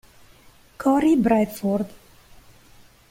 Cory Bradford